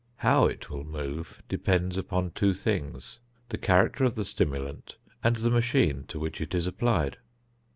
How it will move depends upon two things, the character of the stimulant and the machine to which it is applied.